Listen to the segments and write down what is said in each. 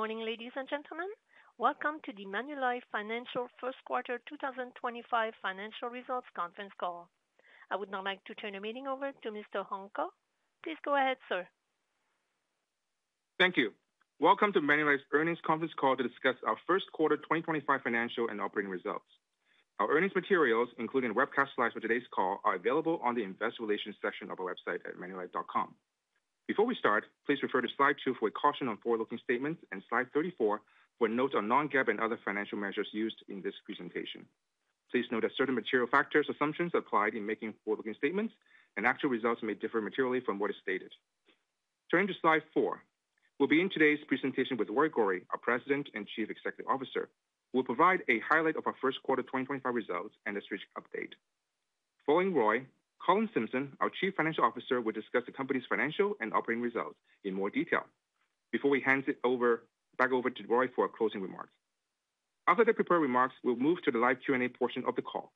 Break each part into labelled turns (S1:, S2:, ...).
S1: Good morning, ladies and gentlemen. Welcome to the Manulife Financial First Quarter 2025 Financial Results Conference Call. I would now like to turn the meeting over to Mr. Hung Ko. Please go ahead, sir.
S2: Thank you. Welcome to the Manulife's Earnings Conference Call to discuss our First Quarter 2025 Financial and Operating Results. Our earnings materials, including webcast slides for today's call, are available on the Investor Relations section of our website at manulife.com. Before we start, please refer to Slide two for a caution on forward-looking statements and Slide 34 for a note on non-GAAP and other financial measures used in this presentation. Please note that certain material factors and assumptions are applied in making forward-looking statements, and actual results may differ materially from what is stated. Turning to Slide four, we'll begin today's presentation with Roy Gori, our President and Chief Executive Officer, who will provide a highlight of our First Quarter 2025 results and a strategic update. Following Roy, Colin Simpson, our Chief Financial Officer, will discuss the company's financial and operating results in more detail. Before we hand it over, back over to Roy for our closing remarks. After the prepared remarks, we'll move to the live Q&A portion of the call.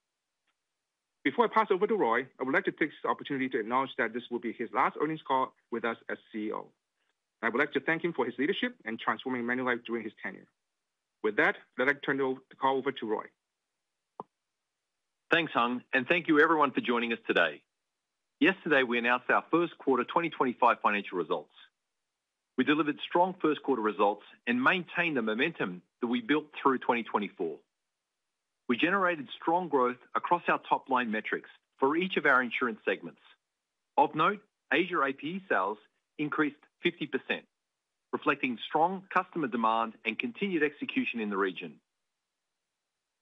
S2: Before I pass over to Roy, I would like to take this opportunity to acknowledge that this will be his last earnings call with us as CEO. I would like to thank him for his leadership and transforming Manulife during his tenure. With that, I'd like to turn the call over to Roy.
S3: Thanks, Hung, and thank you, everyone, for joining us today. Yesterday, we announced our First Quarter 2025 financial results. We delivered strong First Quarter results and maintained the momentum that we built through 2024. We generated strong growth across our top-line metrics for each of our insurance segments. Of note, Asia APE sales increased 50%, reflecting strong customer demand and continued execution in the region.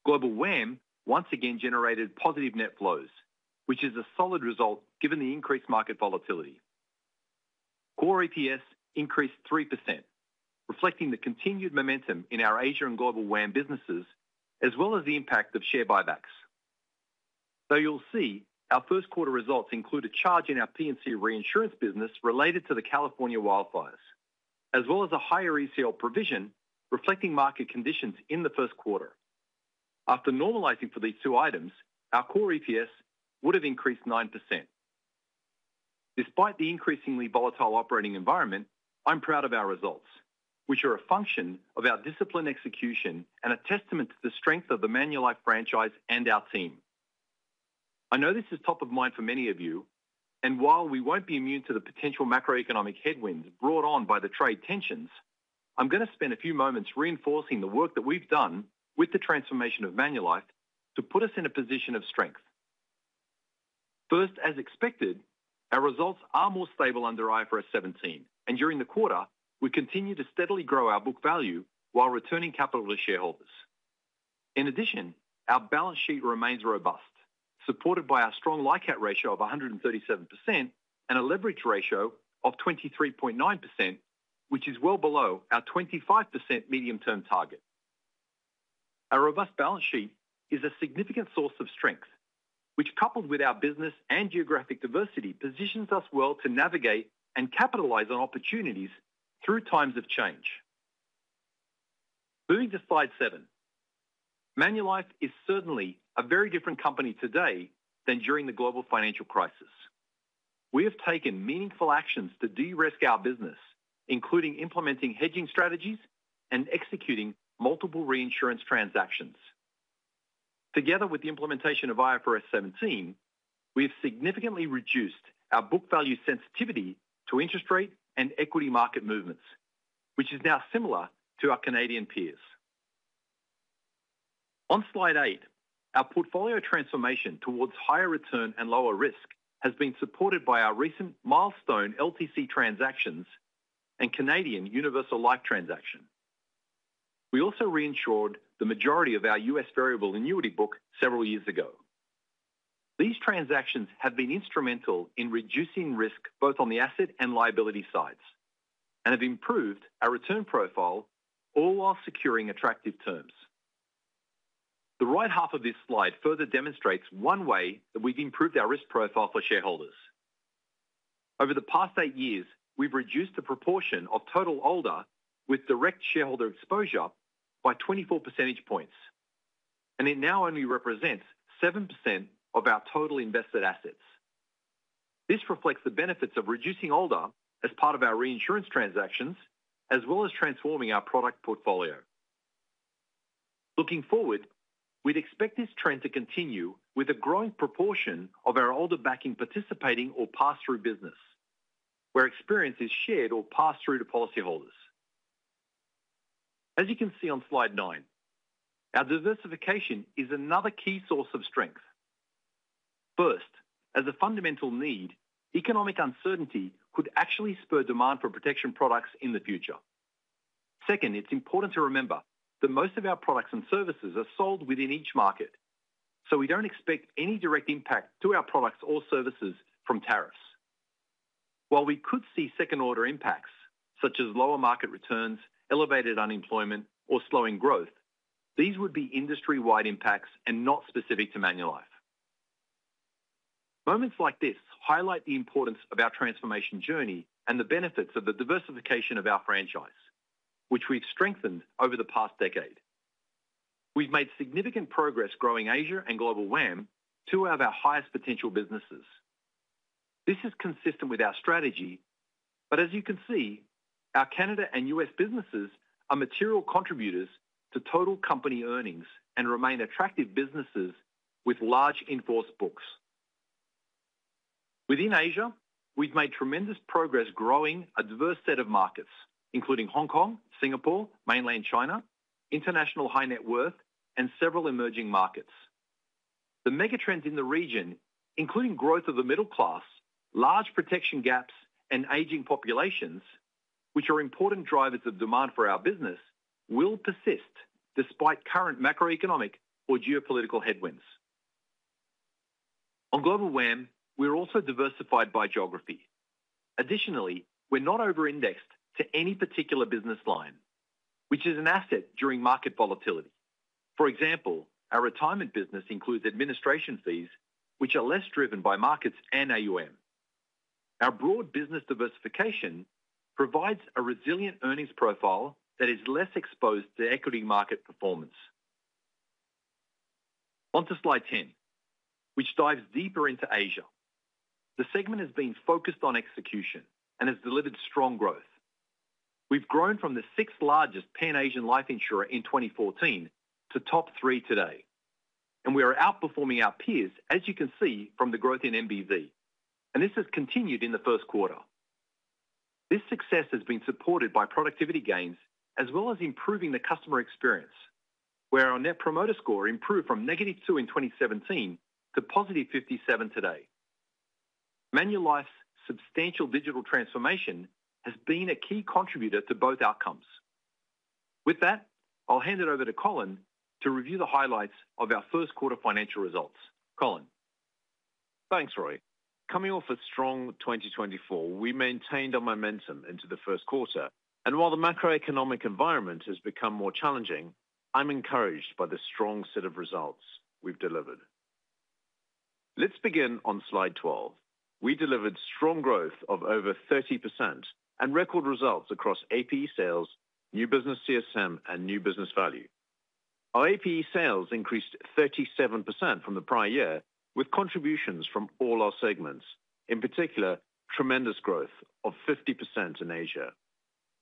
S3: Global WAM once again generated positive net flows, which is a solid result given the increased market volatility. Core EPS increased 3%, reflecting the continued momentum in our Asia and global WAM businesses, as well as the impact of share buybacks. Though you'll see, our First Quarter results include a charge in our P&C reinsurance business related to the California wildfires, as well as a higher ECL provision reflecting market conditions in the First Quarter. After normalizing for these two items, our core EPS would have increased 9%. Despite the increasingly volatile operating environment, I'm proud of our results, which are a function of our disciplined execution and a testament to the strength of the Manulife franchise and our team. I know this is top of mind for many of you, and while we won't be immune to the potential macroeconomic headwinds brought on by the trade tensions, I'm going to spend a few moments reinforcing the work that we've done with the transformation of Manulife to put us in a position of strength. First, as expected, our results are more stable under IFRS 17, and during the quarter, we continue to steadily grow our book value while returning capital to shareholders. In addition, our balance sheet remains robust, supported by our strong LICAT ratio of 137% and a leverage ratio of 23.9%, which is well below our 25% medium-term target. Our robust balance sheet is a significant source of strength, which, coupled with our business and geographic diversity, positions us well to navigate and capitalize on opportunities through times of change. Moving to Slide seven, Manulife is certainly a very different company today than during the global financial crisis. We have taken meaningful actions to de-risk our business, including implementing hedging strategies and executing multiple reinsurance transactions. Together with the implementation of IFRS 17, we have significantly reduced our book value sensitivity to interest rate and equity market movements, which is now similar to our Canadian peers. On Slide eight, our portfolio transformation towards higher return and lower risk has been supported by our recent milestone LTC transactions and Canadian Universal Life transaction. We also reinsured the majority of our U.S. variable annuity book several years ago. These transactions have been instrumental in reducing risk both on the asset and liability sides and have improved our return profile, all while securing attractive terms. The right half of this slide further demonstrates one way that we've improved our risk profile for shareholders. Over the past eight years, we've reduced the proportion of total ALDA with direct shareholder exposure by 24 percentage points, and it now only represents 7% of our total invested assets. This reflects the benefits of reducing ALDA as part of our reinsurance transactions, as well as transforming our product portfolio. Looking forward, we'd expect this trend to continue with a growing proportion of our ALDA backing participating or pass-through business, where experience is shared or passed through to policyholders. As you can see on Slide nine, our diversification is another key source of strength. First, as a fundamental need, economic uncertainty could actually spur demand for protection products in the future. Second, it's important to remember that most of our products and services are sold within each market, so we don't expect any direct impact to our products or services from tariffs. While we could see second-order impacts, such as lower market returns, elevated unemployment, or slowing growth, these would be industry-wide impacts and not specific to Manulife. Moments like this highlight the importance of our transformation journey and the benefits of the diversification of our franchise, which we've strengthened over the past decade. We've made significant progress growing Asia and Global WAM to one of our highest potential businesses. This is consistent with our strategy, but as you can see, our Canada and U.S. businesses are material contributors to total company earnings and remain attractive businesses with large in-force books. Within Asia, we've made tremendous progress growing a diverse set of markets, including Hong Kong, Singapore, mainland China, international high net worth, and several emerging markets. The megatrends in the region, including growth of the middle class, large protection gaps, and aging populations, which are important drivers of demand for our business, will persist despite current macroeconomic or geopolitical headwinds. On Global WAM, we're also diversified by geography. Additionally, we're not over-indexed to any particular business line, which is an asset during market volatility. For example, our retirement business includes administration fees, which are less driven by markets and AUM. Our broad business diversification provides a resilient earnings profile that is less exposed to equity market performance. Onto Slide 10, which dives deeper into Asia. The segment has been focused on execution and has delivered strong growth. We've grown from the sixth-largest Pan-Asian life insurer in 2014 to top three today, and we are outperforming our peers, as you can see from the growth in NBV, and this has continued in the first quarter. This success has been supported by productivity gains as well as improving the customer experience, where our net promoter score improved from negative 2 in 2017 to positive 57 today. Manulife's substantial digital transformation has been a key contributor to both outcomes. With that, I'll hand it over to Colin to review the highlights of our First Quarter financial results. Colin.
S4: Thanks, Roy. Coming off a strong 2024, we maintained our momentum into the first quarter, and while the macroeconomic environment has become more challenging, I'm encouraged by the strong set of results we've delivered. Let's begin on Slide 12. We delivered strong growth of over 30% and record results across APE sales, new business CSM, and new business value. Our APE sales increased 37% from the prior year, with contributions from all our segments, in particular, tremendous growth of 50% in Asia.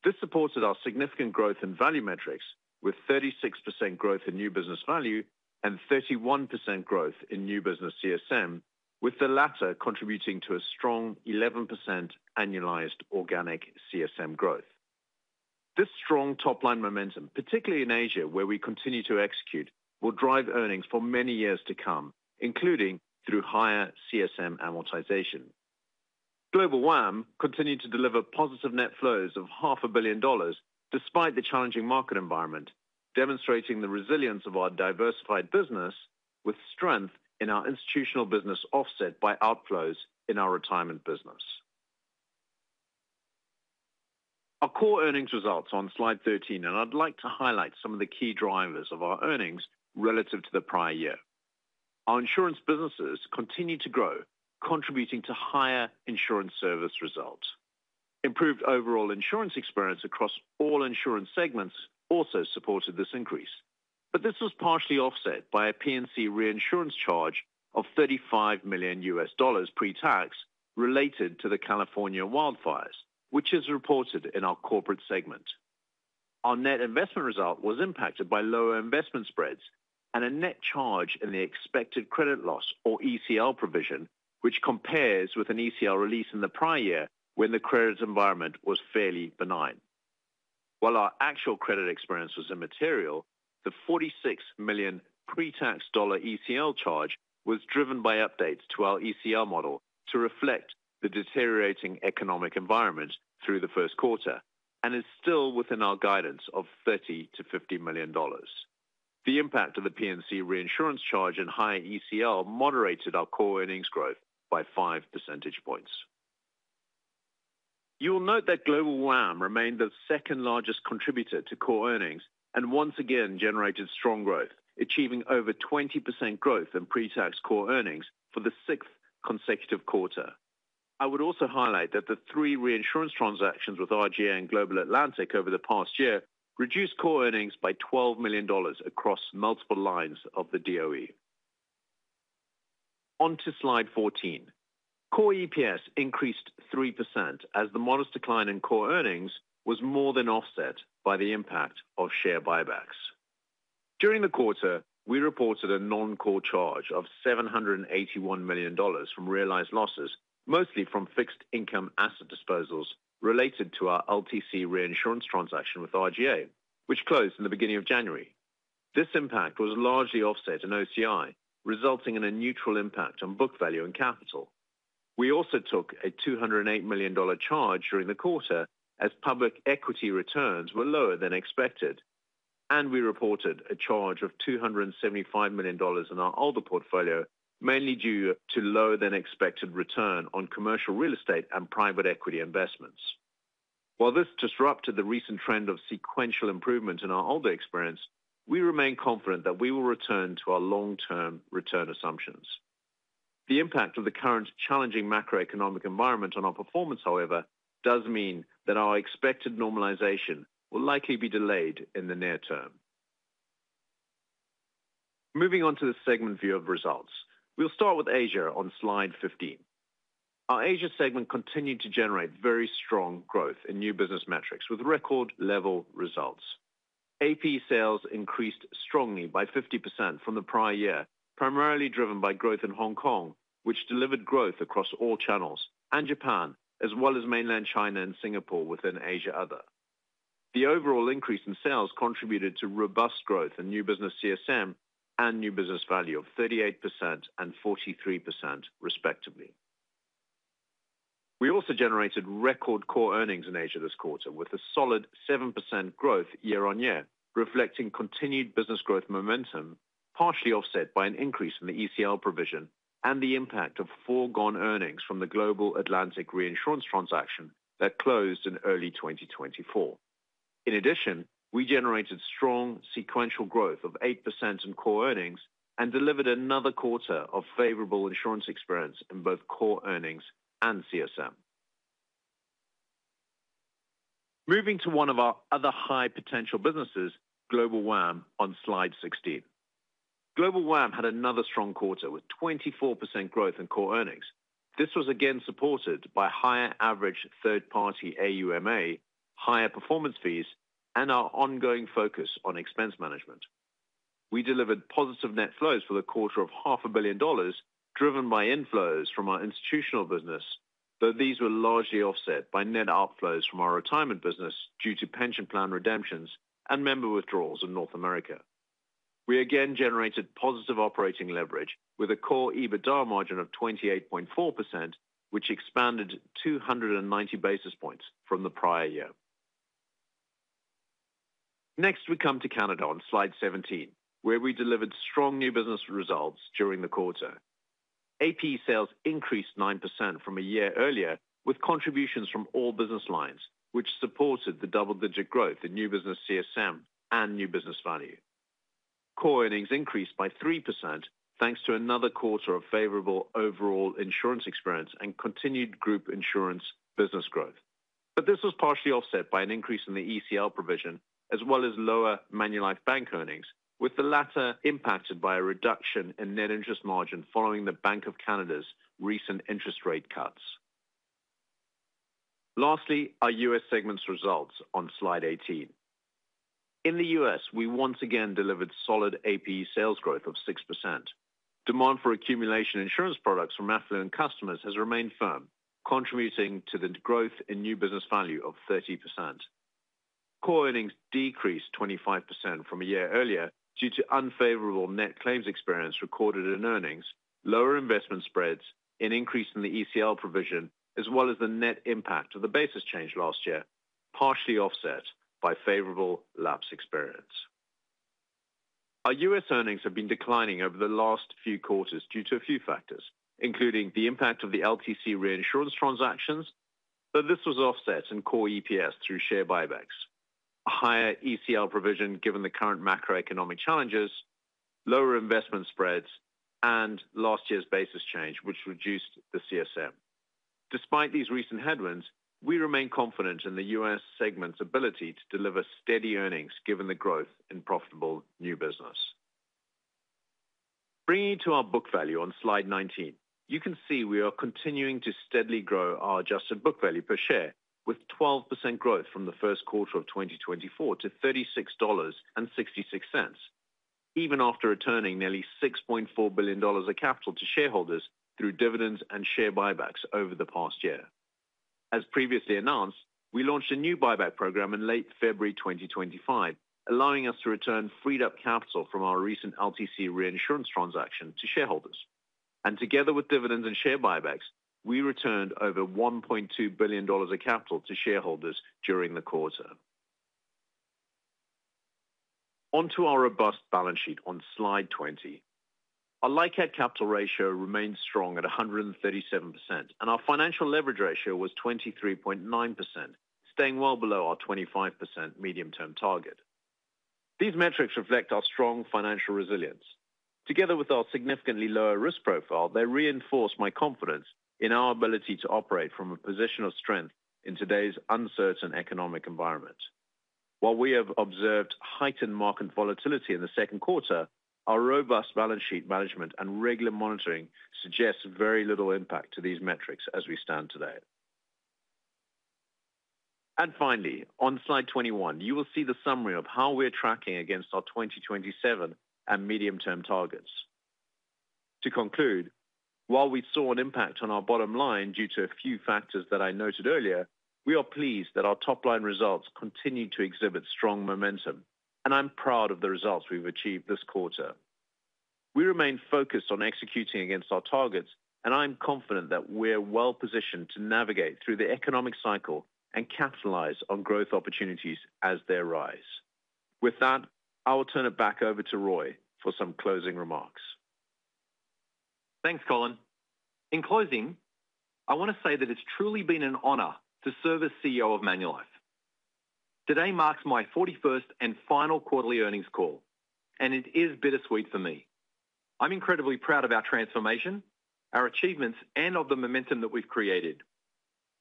S4: This supported our significant growth in value metrics, with 36% growth in new business value and 31% growth in new business CSM, with the latter contributing to a strong 11% annualized organic CSM growth. This strong top-line momentum, particularly in Asia, where we continue to execute, will drive earnings for many years to come, including through higher CSM amortization. Global WAM continued to deliver positive net flows of $500 million despite the challenging market environment, demonstrating the resilience of our diversified business with strength in our institutional business offset by outflows in our retirement business. Our core earnings results on Slide 13, and I'd like to highlight some of the key drivers of our earnings relative to the prior year. Our insurance businesses continue to grow, contributing to higher insurance service results. Improved overall insurance experience across all insurance segments also supported this increase, but this was partially offset by a P&C reinsurance charge of $35 million pre-tax related to the California wildfires, which is reported in our corporate segment. Our net investment result was impacted by lower investment spreads and a net charge in the expected credit loss, or ECL, provision, which compares with an ECL release in the prior year when the credit environment was fairly benign. While our actual credit experience was immaterial, the 46 million dollar pre-tax ECL charge was driven by updates to our ECL model to reflect the deteriorating economic environment through the first quarter and is still within our guidance of 30 million-50 million dollars. The impact of the P&C reinsurance charge and higher ECL moderated our core earnings growth by 5 percentage points. You'll note that Global WAM remained the second-largest contributor to core earnings and once again generated strong growth, achieving over 20% growth in pre-tax core earnings for the sixth consecutive quarter. I would also highlight that the three reinsurance transactions with RGA and Global Atlantic over the past year reduced core earnings by $12 million across multiple lines of the SOE. Onto Slide 14. Core EPS increased 3% as the modest decline in core earnings was more than offset by the impact of share buybacks. During the quarter, we reported a non-core charge of $781 million from realized losses, mostly from fixed income asset disposals related to our LTC reinsurance transaction with RGA, which closed in the beginning of January. This impact was largely offset in OCI, resulting in a neutral impact on book value and capital. We also took a $208 million charge during the quarter as public equity returns were lower than expected, and we reported a charge of $275 million in our ALDA portfolio, mainly due to lower than expected return on commercial real estate and private equity investments. While this disrupted the recent trend of sequential improvement in our ALDA experience, we remain confident that we will return to our long-term return assumptions. The impact of the current challenging macroeconomic environment on our performance, however, does mean that our expected normalization will likely be delayed in the near term. Moving on to the segment view of results, we'll start with Asia on Slide 15. Our Asia segment continued to generate very strong growth in new business metrics with record-level results. APE sales increased strongly by 50% from the prior year, primarily driven by growth in Hong Kong, which delivered growth across all channels, and Japan, as well as Mainland China and Singapore within Asia Other. The overall increase in sales contributed to robust growth in new business CSM and new business value of 38% and 43%, respectively. We also generated record core earnings in Asia this quarter with a solid 7% growth year-on-year, reflecting continued business growth momentum, partially offset by an increase in the ECL provision and the impact of foregone earnings from the Global Atlantic reinsurance transaction that closed in early 2024. In addition, we generated strong sequential growth of 8% in core earnings and delivered another quarter of favorable insurance experience in both core earnings and CSM. Moving to one of our other high potential businesses, Global WAM on Slide 16. Global WAM had another strong quarter with 24% growth in core earnings. This was again supported by higher average third-party AUMA, higher performance fees, and our ongoing focus on expense management. We delivered positive net flows for the quarter of $500 million driven by inflows from our institutional business, though these were largely offset by net outflows from our retirement business due to pension plan redemptions and member withdrawals in North America. We again generated positive operating leverage with a core EBITDA margin of 28.4%, which expanded 290 basis points from the prior year. Next, we come to Canada on Slide 17, where we delivered strong new business results during the quarter. APE sales increased 9% from a year earlier with contributions from all business lines, which supported the double-digit growth in new business CSM and new business value. Core earnings increased by 3% thanks to another quarter of favorable overall insurance experience and continued group insurance business growth. But this was partially offset by an increase in the ECL provision as well as lower Manulife Bank earnings, with the latter impacted by a reduction in net interest margin following the Bank of Canada's recent interest rate cuts. Lastly, our U.S. segment's results on Slide 18. In the U.S., we once again delivered solid APE sales growth of 6%. Demand for accumulation insurance products from affluent customers has remained firm, contributing to the growth in new business value of 30%. Core earnings decreased 25% from a year earlier due to unfavorable net claims experience recorded in earnings, lower investment spreads, an increase in the ECL provision, as well as the net impact of the basis change last year, partially offset by favorable lapse experience. Our U.S. earnings have been declining over the last few quarters due to a few factors, including the impact of the LTC reinsurance transactions, but this was offset in Core EPS through share buybacks, a higher ECL provision given the current macroeconomic challenges, lower investment spreads, and last year's basis change, which reduced the CSM. Despite these recent headwinds, we remain confident in the U.S. segment's ability to deliver steady earnings given the growth in profitable new business. Bringing to our book value on Slide 19, you can see we are continuing to steadily grow our adjusted book value per share with 12% growth from the first quarter of 2024 to $36.66, even after returning nearly $6.4 billion of capital to shareholders through dividends and share buybacks over the past year. As previously announced, we launched a new buyback program in late February 2025, allowing us to return freed-up capital from our recent LTC reinsurance transaction to shareholders, and together with dividends and share buybacks, we returned over $1.2 billion of capital to shareholders during the quarter. Onto our robust balance sheet on Slide 20. Our LICAT capital ratio remained strong at 137%, and our financial leverage ratio was 23.9%, staying well below our 25% medium-term target. These metrics reflect our strong financial resilience. Together with our significantly lower risk profile, they reinforce my confidence in our ability to operate from a position of strength in today's uncertain economic environment. While we have observed heightened market volatility in the second quarter, our robust balance sheet management and regular monitoring suggests very little impact to these metrics as we stand today. Finally, on Slide 21, you will see the summary of how we are tracking against our 2027 and medium-term targets. To conclude, while we saw an impact on our bottom line due to a few factors that I noted earlier, we are pleased that our top-line results continue to exhibit strong momentum, and I'm proud of the results we've achieved this quarter. We remain focused on executing against our targets, and I'm confident that we're well-positioned to navigate through the economic cycle and capitalize on growth opportunities as they arise. With that, I will turn it back over to Roy for some closing remarks.
S3: Thanks, Colin. In closing, I want to say that it's truly been an honor to serve as CEO of Manulife. Today marks my 41st and final quarterly earnings call, and it is bittersweet for me. I'm incredibly proud of our transformation, our achievements, and of the momentum that we've created.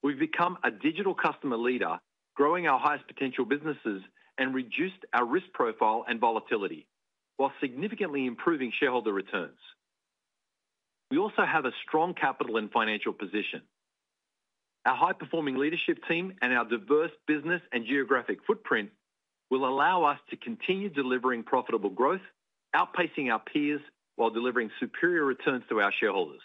S3: We've become a digital customer leader, growing our highest potential businesses and reduced our risk profile and volatility, while significantly improving shareholder returns. We also have a strong capital and financial position. Our high-performing leadership team and our diverse business and geographic footprint will allow us to continue delivering profitable growth, outpacing our peers while delivering superior returns to our shareholders.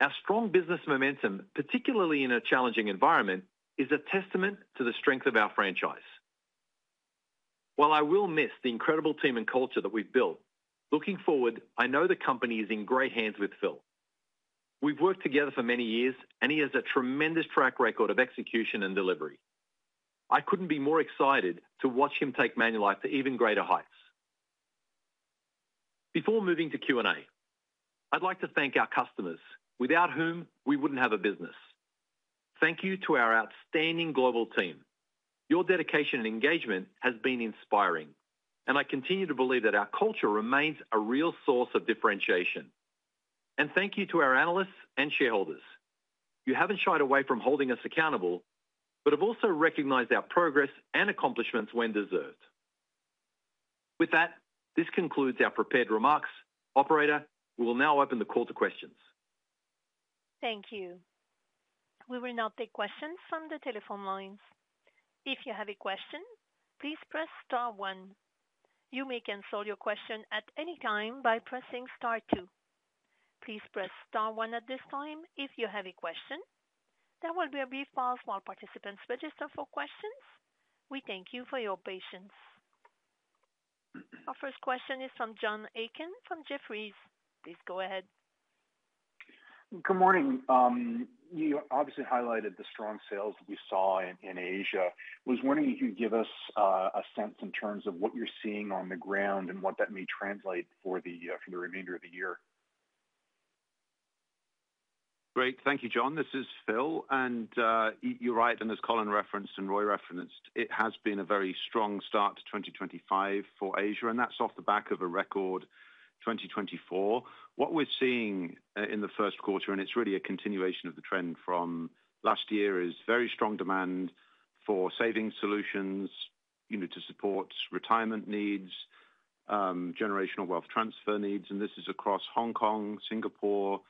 S3: Our strong business momentum, particularly in a challenging environment, is a testament to the strength of our franchise. While I will miss the incredible team and culture that we've built, looking forward, I know the company is in great hands with Phil. We've worked together for many years, and he has a tremendous track record of execution and delivery. I couldn't be more excited to watch him take Manulife to even greater heights. Before moving to Q&A, I'd like to thank our customers, without whom we wouldn't have a business. Thank you to our outstanding global team. Your dedication and engagement have been inspiring, and I continue to believe that our culture remains a real source of differentiation. And thank you to our analysts and shareholders. You haven't shied away from holding us accountable, but have also recognized our progress and accomplishments when deserved. With that, this concludes our prepared remarks. Operator, we will now open the call to questions.
S1: Thank you. We will now take questions from the telephone lines. If you have a question, please press star one. You may cancel your question at any time by pressing star two. Please press star one at this time if you have a question. There will be a brief pause while participants register for questions. We thank you for your patience. Our first question is from John Aiken from Jefferies. Please go ahead.
S5: Good morning. You obviously highlighted the strong sales that we saw in Asia. I was wondering if you could give us a sense in terms of what you're seeing on the ground and what that may translate for the remainder of the year?
S6: Great. Thank you, John. This is Phil, and you're right, and as Colin referenced and Roy referenced, it has been a very strong start to 2025 for Asia, and that's off the back of a record 2024. What we're seeing in the first quarter, and it's really a continuation of the trend from last year, is very strong demand for savings solutions to support retirement needs, generational wealth transfer needs. This is across Hong Kong, Singapore,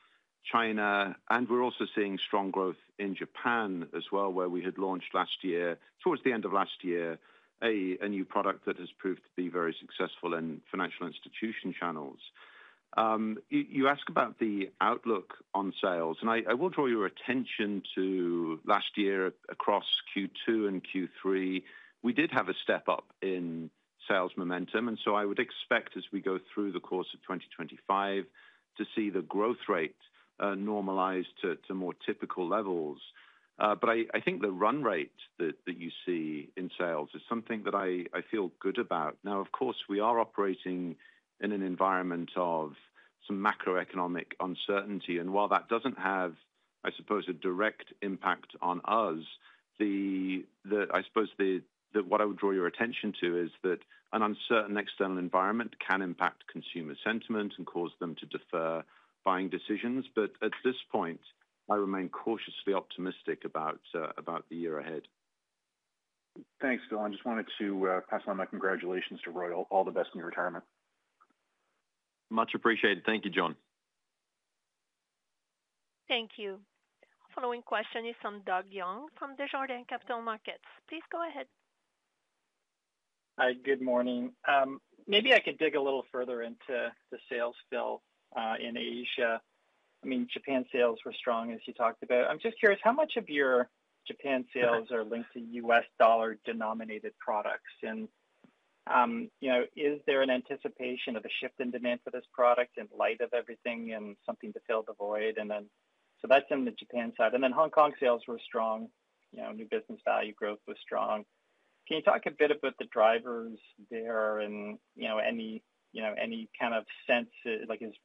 S6: China, and we're also seeing strong growth in Japan as well, where we had launched last year, towards the end of last year, a new product that has proved to be very successful in financial institution channels. You ask about the outlook on sales, and I will draw your attention to last year across Q2 and Q3. We did have a step up in sales momentum, and so I would expect, as we go through the course of 2025, to see the growth rate normalize to more typical levels. But I think the run rate that you see in sales is something that I feel good about. Now, of course, we are operating in an environment of some macroeconomic uncertainty, and while that doesn't have, I suppose, a direct impact on us, I suppose that what I would draw your attention to is that an uncertain external environment can impact consumer sentiment and cause them to defer buying decisions. But at this point, I remain cautiously optimistic about the year ahead.
S5: Thanks, Phil. I just wanted to pass on my congratulations to Roy. All the best in your retirement.
S3: Much appreciated. Thank you, John.
S1: Thank you. The following question is from Doug Young from Desjardins Capital Markets. Please go ahead.
S7: Hi, good morning. Maybe I could dig a little further into the sales, Phil, in Asia. I mean, Japan sales were strong, as you talked about. I'm just curious, how much of your Japan sales are linked to U.S. dollar-denominated products? And is there an anticipation of a shift in demand for this product in light of everything and something to fill the void? And then so that's on the Japan side. And then Hong Kong sales were strong. New business value growth was strong. Can you talk a bit about the drivers there and any kind of sense?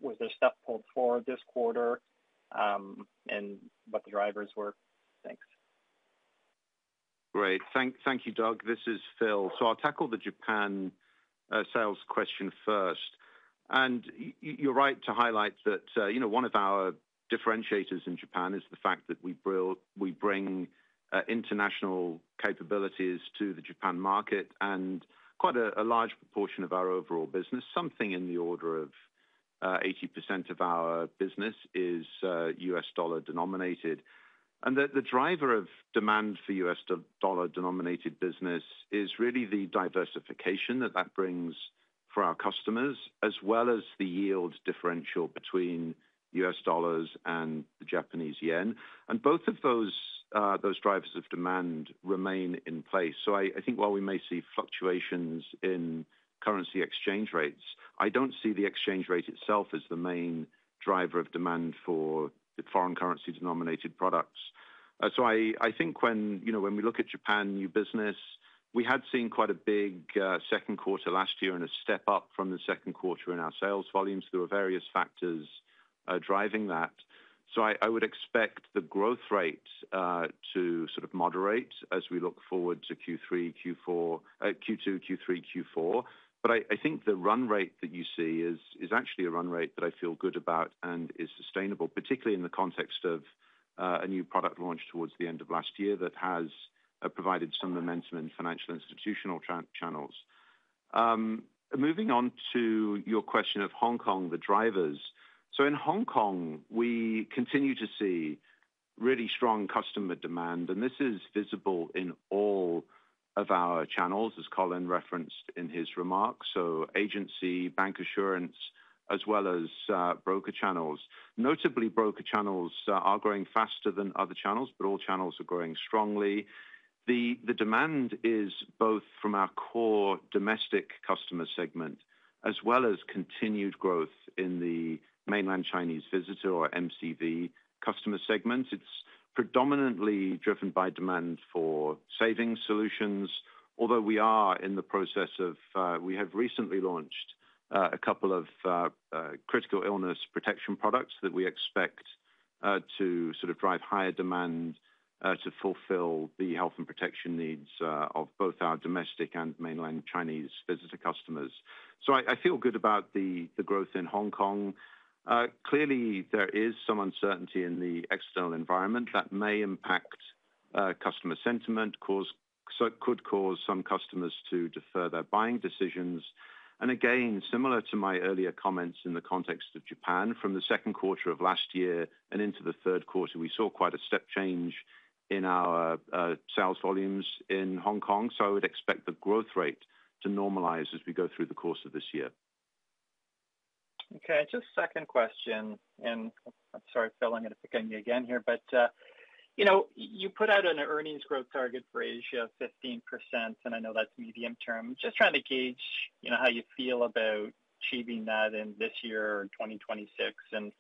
S7: Was there stuff pulled forward this quarter and what the drivers were? Thanks.
S6: Great. Thank you, Doug. This is Phil. So I'll tackle the Japan sales question first. And you're right to highlight that one of our differentiators in Japan is the fact that we bring international capabilities to the Japan market and quite a large proportion of our overall business. Something in the order of 80% of our business is U.S. dollar-denominated. And the driver of demand for U.S. dollar-denominated business is really the diversification that that brings for our customers, as well as the yield differential between U.S. dollars and the Japanese yen. And both of those drivers of demand remain in place. So I think while we may see fluctuations in currency exchange rates, I don't see the exchange rate itself as the main driver of demand for foreign currency-denominated products. So I think when we look at Japan new business, we had seen quite a big second quarter last year and a step up from the second quarter in our sales volumes. There were various factors driving that. So I would expect the growth rate to sort of moderate as we look forward to Q2, Q3, Q4. But I think the run rate that you see is actually a run rate that I feel good about and is sustainable, particularly in the context of a new product launch towards the end of last year that has provided some momentum in financial institutional channels. Moving on to your question of Hong Kong, the drivers. So in Hong Kong, we continue to see really strong customer demand, and this is visible in all of our channels, as Colin referenced in his remarks. So agency, bank assurance, as well as broker channels. Notably, broker channels are growing faster than other channels, but all channels are growing strongly. The demand is both from our core domestic customer segment as well as continued growth in the Mainland Chinese Visitor, or MCV, customer segment. It's predominantly driven by demand for savings solutions, although we have recently launched a couple of critical illness protection products that we expect to sort of drive higher demand to fulfill the health and protection needs of both our domestic and Mainland Chinese Visitor customers. So I feel good about the growth in Hong Kong. Clearly, there is some uncertainty in the external environment that may impact customer sentiment, could cause some customers to defer their buying decisions. Again, similar to my earlier comments in the context of Japan, from the second quarter of last year and into the third quarter, we saw quite a step change in our sales volumes in Hong Kong. I would expect the growth rate to normalize as we go through the course of this year.
S7: Okay. Just a second question. And I'm sorry, Phil, I'm going to pick on you again here, but you put out an earnings growth target for Asia of 15%, and I know that's medium term. Just trying to gauge how you feel about achieving that in this year or 2026. And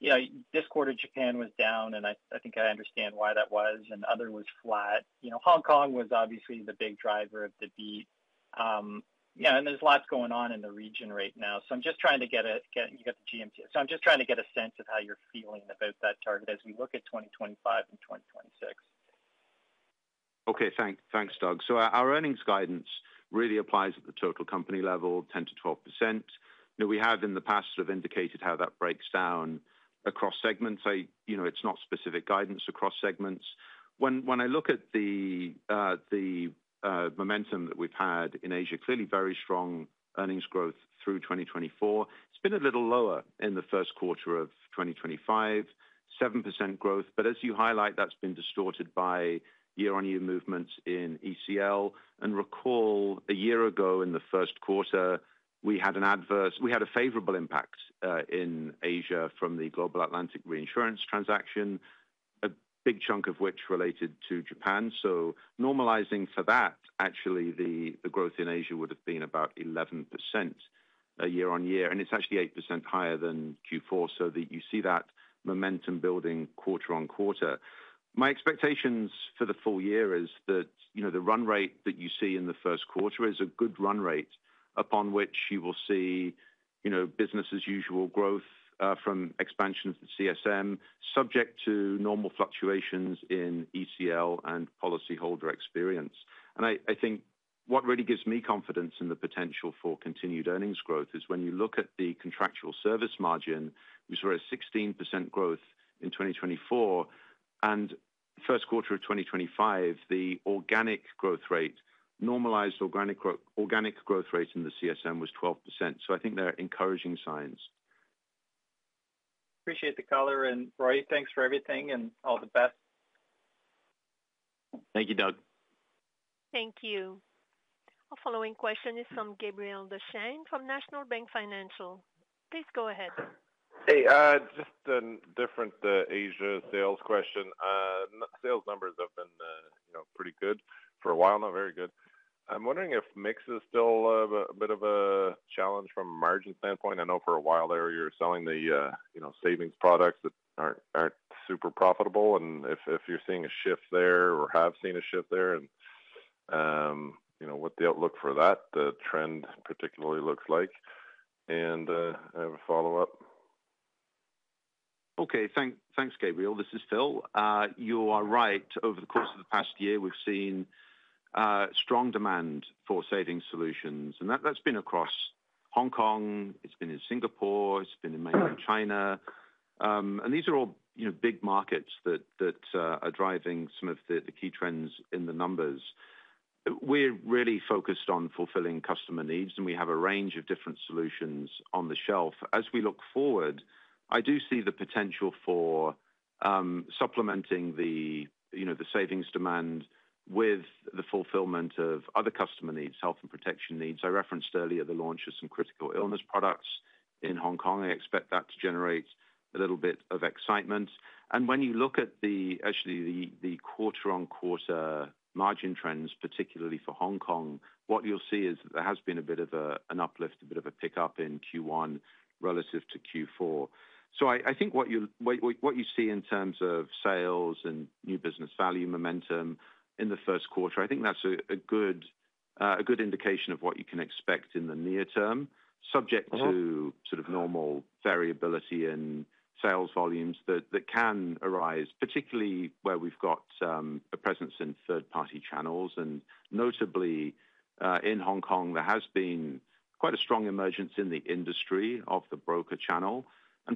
S7: this quarter, Japan was down, and I think I understand why that was, and other was flat. Hong Kong was obviously the big driver of the beat. And there's lots going on in the region right now. So I'm just trying to get a—you got the GMT. So I'm just trying to get a sense of how you're feeling about that target as we look at 2025 and 2026.
S6: Okay. Thanks, Doug. So our earnings guidance really applies at the total company level, 10%-12%. We have in the past sort of indicated how that breaks down across segments. It's not specific guidance across segments. When I look at the momentum that we've had in Asia, clearly very strong earnings growth through 2024. It's been a little lower in the first quarter of 2025, 7% growth. But as you highlight, that's been distorted by year-on-year movements in ECL. And recall, a year ago in the first quarter, we had a favorable impact in Asia from the Global Atlantic Reinsurance transaction, a big chunk of which related to Japan. So normalizing for that, actually, the growth in Asia would have been about 11% year-on-year. And it's actually 8% higher than Q4, so that you see that momentum building quarter-on-quarter. My expectations for the full year is that the run rate that you see in the first quarter is a good run rate upon which you will see business-as-usual growth from expansion of the CSM, subject to normal fluctuations in ECL and policyholder experience, and I think what really gives me confidence in the potential for continued earnings growth is when you look at the contractual service margin, we saw a 16% growth in 2024, and first quarter of 2025, the organic growth rate, normalized organic growth rate in the CSM was 12%, so I think there are encouraging signs.
S7: Appreciate the color, and Roy, thanks for everything and all the best.
S3: Thank you, Doug.
S1: Thank you. Our following question is from Gabriel Dechaine from National Bank Financial. Please go ahead.
S8: Hey, just a different Asia sales question. Sales numbers have been pretty good for a while, not very good. I'm wondering if mix is still a bit of a challenge from a margin standpoint. I know for a while there you were selling the savings products that aren't super profitable, and if you're seeing a shift there or have seen a shift there and what the outlook for that trend particularly looks like. And I have a follow-up.
S6: Okay. Thanks, Gabriel. This is Phil. You are right. Over the course of the past year, we've seen strong demand for savings solutions. And that's been across Hong Kong. It's been in Singapore. It's been in Mainland China. And these are all big markets that are driving some of the key trends in the numbers. We're really focused on fulfilling customer needs, and we have a range of different solutions on the shelf. As we look forward, I do see the potential for supplementing the savings demand with the fulfillment of other customer needs, health and protection needs. I referenced earlier the launch of some critical illness products in Hong Kong. I expect that to generate a little bit of excitement. When you look at actually the quarter-on-quarter margin trends, particularly for Hong Kong, what you'll see is that there has been a bit of an uplift, a bit of a pickup in Q1 relative to Q4. I think what you see in terms of sales and new business value momentum in the first quarter, I think that's a good indication of what you can expect in the near term, subject to sort of normal variability in sales volumes that can arise, particularly where we've got a presence in third-party channels. Notably, in Hong Kong, there has been quite a strong emergence in the industry of the broker channel.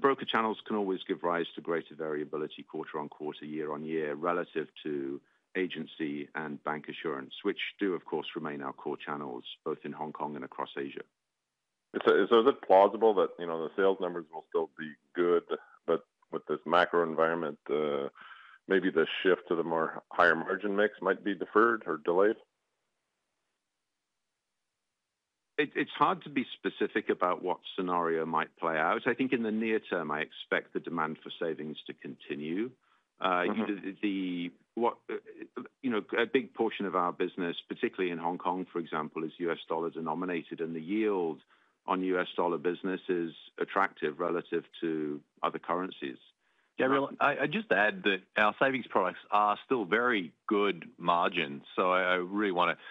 S6: Broker channels can always give rise to greater variability quarter-on-quarter, year-on-year, relative to agency and bank assurance, which do, of course, remain our core channels both in Hong Kong and across Asia.
S8: So is it plausible that the sales numbers will still be good, but with this macro environment, maybe the shift to the more higher margin mix might be deferred or delayed?
S6: It's hard to be specific about what scenario might play out. I think in the near term, I expect the demand for savings to continue. A big portion of our business, particularly in Hong Kong, for example, is U.S. dollar-denominated, and the yield on U.S. dollar business is attractive relative to other currencies.
S4: Gabriel, I'd just add that our savings products are still very good margins. So I really want to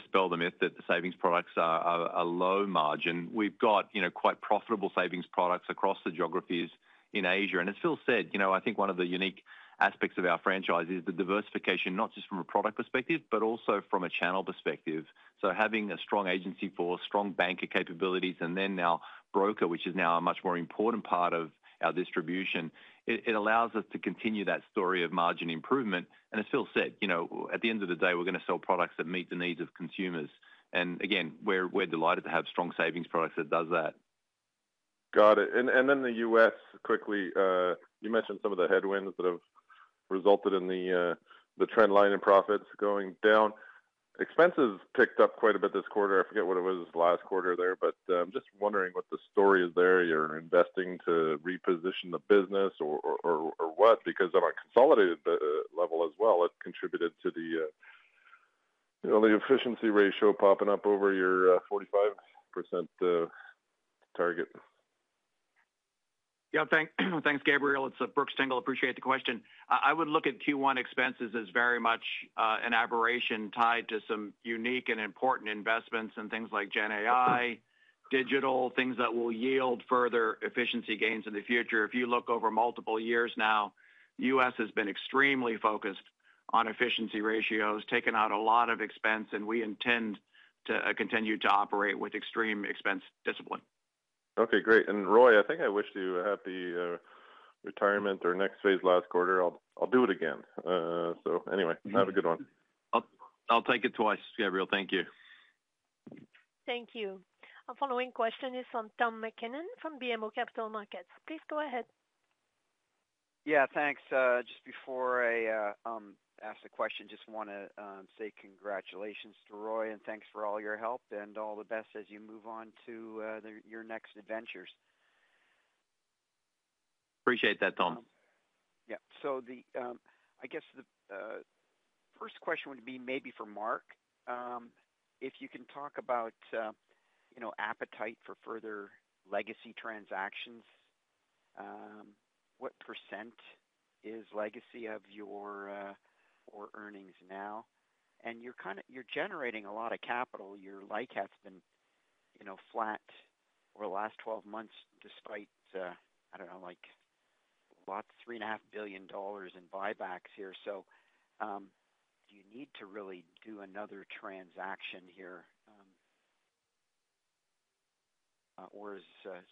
S4: dispel the myth that the savings products are a low margin. We've got quite profitable savings products across the geographies in Asia. And as Phil said, I think one of the unique aspects of our franchise is the diversification, not just from a product perspective, but also from a channel perspective. So having a strong agency force, strong banker capabilities, and then now broker, which is now a much more important part of our distribution, it allows us to continue that story of margin improvement. And as Phil said, at the end of the day, we're going to sell products that meet the needs of consumers. And again, we're delighted to have strong savings products that does that.
S8: Got it. And then the U.S., quickly, you mentioned some of the headwinds that have resulted in the trend line in profits going down. Expenses picked up quite a bit this quarter. I forget what it was last quarter there, but I'm just wondering what the story is there. You're investing to reposition the business or what? Because on a consolidated level as well, it contributed to the efficiency ratio popping up over your 45% target.
S9: Yeah. Thanks, Gabriel. It's Brooks Tingle. Appreciate the question. I would look at Q1 expenses as very much an aberration tied to some unique and important investments in things like GenAI, digital, things that will yield further efficiency gains in the future. If you look over multiple years now, the U.S. has been extremely focused on efficiency ratios, taken out a lot of expense, and we intend to continue to operate with extreme expense discipline.
S8: Okay. Great, and Roy, I think I wish to have the retirement or next phase last quarter. I'll do it again, so anyway, have a good one.
S3: I'll take it twice, Gabriel. Thank you.
S1: Thank you. Our following question is from Tom McKinnon from BMO Capital Markets. Please go ahead.
S10: Yeah. Thanks. Just before I ask the question, just want to say congratulations to Roy and thanks for all your help and all the best as you move on to your next adventures.
S3: Appreciate that, Tom.
S10: Yeah. So I guess the first question would be maybe for Marc. If you can talk about appetite for further legacy transactions, what percent is legacy of your earnings now? And you're generating a lot of capital. Your LICAT has been flat over the last 12 months, despite, I don't know, like 3.5 billion dollars in buybacks here. So do you need to really do another transaction here?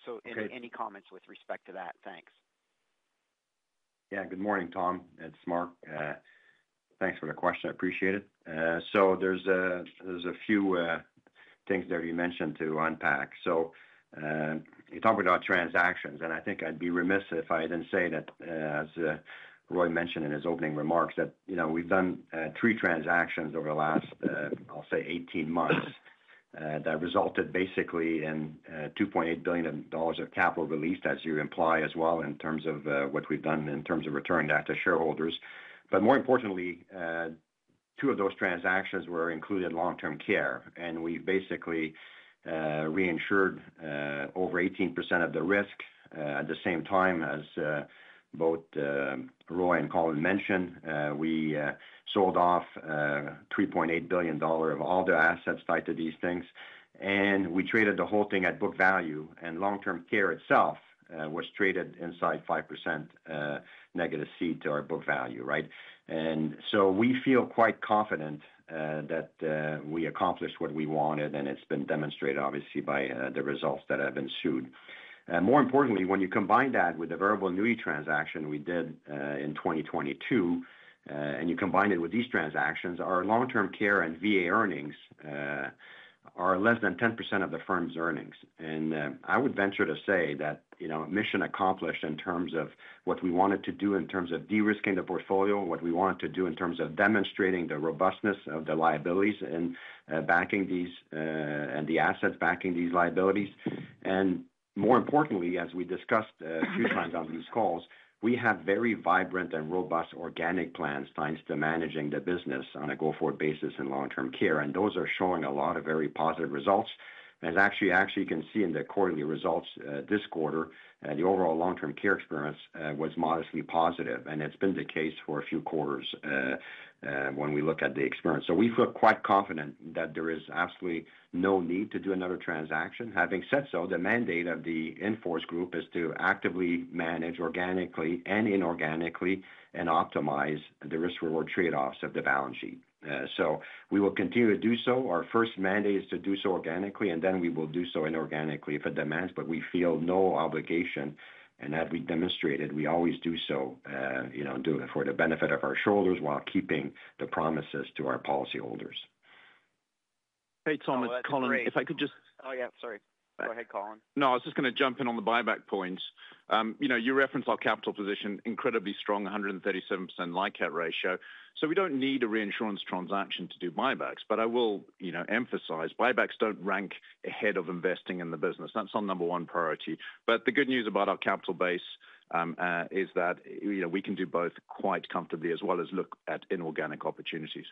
S10: So any comments with respect to that? Thanks.
S11: Yeah. Good morning, Tom. It's Marc. Thanks for the question. I appreciate it. There's a few things there you mentioned to unpack. You're talking about transactions, and I think I'd be remiss if I didn't say that, as Roy mentioned in his opening remarks, we've done three transactions over the last, I'll say, 18 months that resulted basically in 2.8 billion dollars of capital released, as you imply as well, in terms of what we've done in terms of returning that to shareholders. More importantly, two of those transactions were included in long-term care. We've basically reinsured over 18% of the risk. At the same time, as both Roy and Colin mentioned, we sold off 3.8 billion dollar of all the assets tied to these things. We traded the whole thing at book value. Long-term care itself was traded inside 5% negative ceded to our book value, right? And so we feel quite confident that we accomplished what we wanted, and it's been demonstrated, obviously, by the results that have ensued. More importantly, when you combine that with the variable annuity transaction we did in 2022 and you combine it with these transactions, our long-term care and VA earnings are less than 10% of the firm's earnings. And I would venture to say that mission accomplished in terms of what we wanted to do in terms of de-risking the portfolio, what we wanted to do in terms of demonstrating the robustness of the liabilities and backing these and the assets backing these liabilities. And more importantly, as we discussed a few times on these calls, we have very vibrant and robust organic plans tied to managing the business on a go-forward basis in long-term care. And those are showing a lot of very positive results. And as you can see in the quarterly results this quarter, the overall long-term care experience was modestly positive. And it's been the case for a few quarters when we look at the experience. So we feel quite confident that there is absolutely no need to do another transaction. Having said so, the mandate of the Inforce Group is to actively manage organically and inorganically and optimize the risk-reward trade-offs of the balance sheet. So we will continue to do so. Our first mandate is to do so organically, and then we will do so inorganically if it demands. But we feel no obligation. As we demonstrated, we always do so for the benefit of our shareholders while keeping the promises to our policyholders.
S4: Hey, Tom. It's Colin. If I could just..
S10: Oh, yeah. Sorry. Go ahead, Colin.
S4: No, I was just going to jump in on the buyback points. You referenced our capital position, incredibly strong, 137% LICAT ratio. So we don't need a reinsurance transaction to do buybacks. But I will emphasize buybacks don't rank ahead of investing in the business. That's our number one priority. But the good news about our capital base is that we can do both quite comfortably as well as look at inorganic opportunities.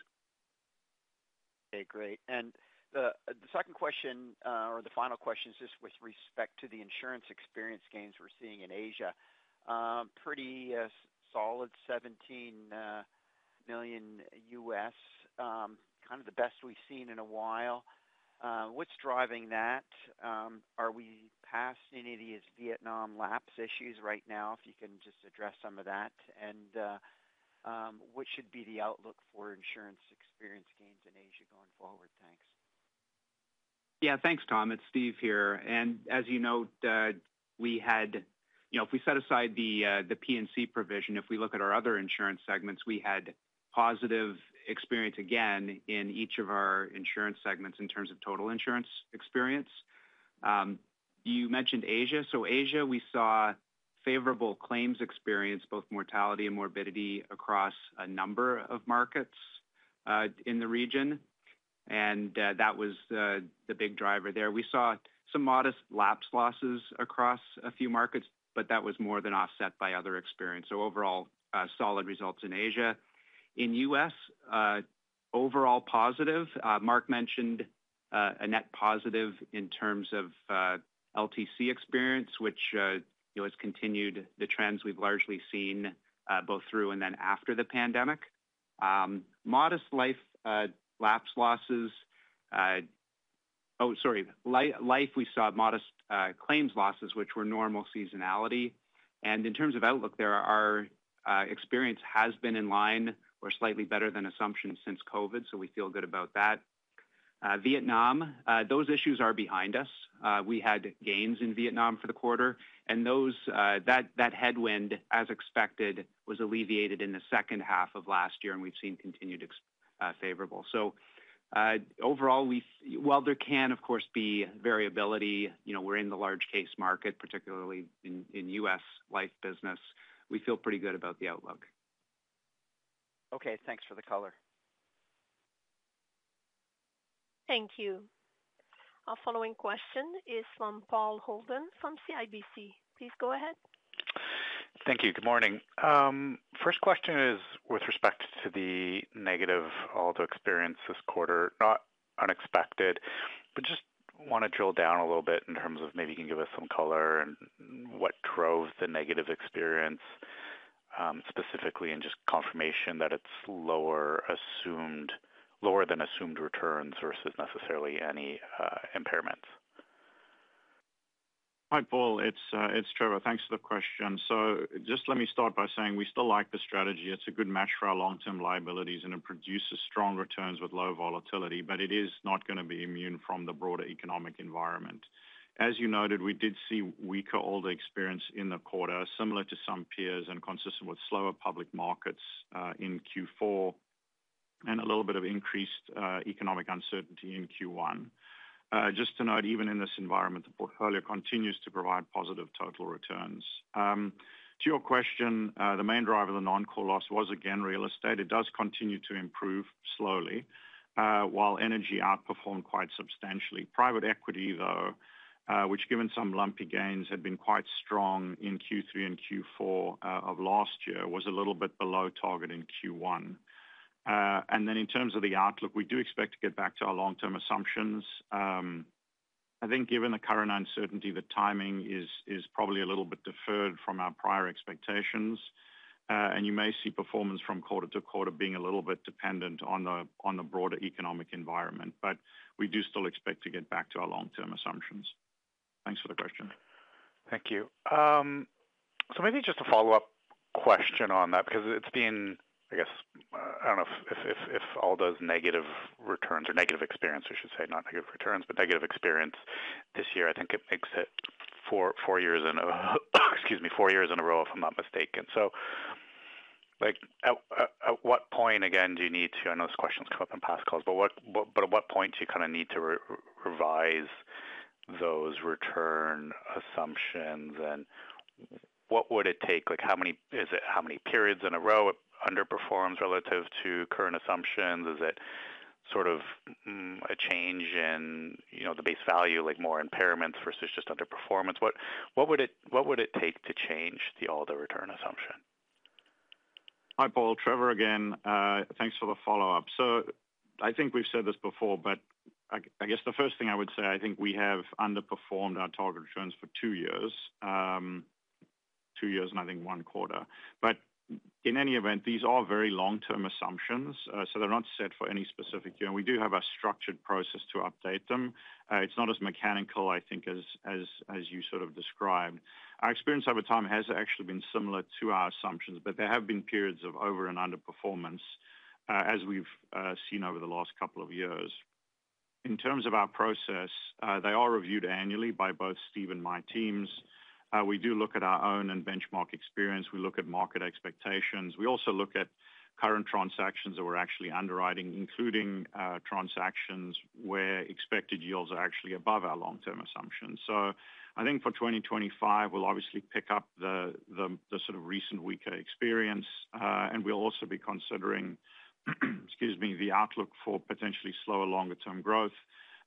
S10: Okay. Great. And the second question or the final question is just with respect to the insurance experience gains we're seeing in Asia. Pretty solid $17 million, kind of the best we've seen in a while. What's driving that? Are we past any of these Vietnam lapse issues right now? If you can just address some of that. And what should be the outlook for insurance experience gains in Asia going forward? Thanks.
S12: Yeah. Thanks, Tom. It's Steve here, and as you know, we had—if we set aside the P&C provision, if we look at our other insurance segments, we had positive experience again in each of our insurance segments in terms of total insurance experience. You mentioned Asia. So Asia, we saw favorable claims experience, both mortality and morbidity across a number of markets in the region. And that was the big driver there. We saw some modest lapse losses across a few markets, but that was more than offset by other experience. So overall, solid results in Asia. In U.S., overall positive. Marc mentioned a net positive in terms of LTC experience, which has continued the trends we've largely seen both through and then after the pandemic. Modest life lapse losses, oh, sorry. Life, we saw modest claims losses, which were normal seasonality. In terms of outlook, our experience has been in line or slightly better than assumption since COVID. We feel good about that. Vietnam, those issues are behind us. We had gains in Vietnam for the quarter. That headwind, as expected, was alleviated in the second half of last year, and we've seen continued favorable. Overall, while there can, of course, be variability, we're in the large case market, particularly in U.S. life business. We feel pretty good about the outlook.
S10: Okay. Thanks for the color.
S1: Thank you. Our following question is from Paul Holden from CIBC. Please go ahead.
S13: Thank you. Good morning. First question is with respect to the negative ALDA experience this quarter. Not unexpected, but just want to drill down a little bit in terms of maybe you can give us some color and what drove the negative experience specifically and just confirmation that it's lower than assumed returns versus necessarily any impairments.
S14: Hi, Paul. It's Trevor. Thanks for the question. So just let me start by saying we still like the strategy. It's a good match for our long-term liabilities, and it produces strong returns with low volatility, but it is not going to be immune from the broader economic environment. As you noted, we did see weaker ALDA experience in the quarter, similar to some peers and consistent with slower public markets in Q4 and a little bit of increased economic uncertainty in Q1. Just to note, even in this environment, the portfolio continues to provide positive total returns. To your question, the main driver of the non-core loss was, again, real estate. It does continue to improve slowly, while energy outperformed quite substantially. Private equity, though, which, given some lumpy gains, had been quite strong in Q3 and Q4 of last year, was a little bit below target in Q1. And then in terms of the outlook, we do expect to get back to our long-term assumptions. I think given the current uncertainty, the timing is probably a little bit deferred from our prior expectations. And you may see performance from quarter to quarter being a little bit dependent on the broader economic environment. But we do still expect to get back to our long-term assumptions. Thanks for the question.
S13: Thank you. So maybe just a follow-up question on that because it's been, I guess, I don't know if ALDA's negative returns or negative experience, I should say, not negative returns, but negative experience this year. I think it makes it four years in a row, if I'm not mistaken. So at what point, again, do you need to, I know this question's come up in past calls, but at what point do you kind of need to revise those return assumptions? And what would it take? How many periods in a row it underperforms relative to current assumptions? Is it sort of a change in the base value, like more impairments versus just underperformance? What would it take to change the ALDA return assumption?
S14: Hi, Paul. Trevor again. Thanks for the follow-up. So I think we've said this before, but I guess the first thing I would say, I think we have underperformed our target returns for two years, two years and I think one quarter. But in any event, these are very long-term assumptions. So they're not set for any specific year. And we do have a structured process to update them. It's not as mechanical, I think, as you sort of described. Our experience over time has actually been similar to our assumptions, but there have been periods of over and underperformance as we've seen over the last couple of years. In terms of our process, they are reviewed annually by both Steve and my teams. We do look at our own and benchmark experience. We look at market expectations. We also look at current transactions that we're actually underwriting, including transactions where expected yields are actually above our long-term assumptions. So I think for 2025, we'll obviously pick up the sort of recent weaker experience. And we'll also be considering, excuse me, the outlook for potentially slower longer-term growth.